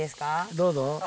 どうぞ。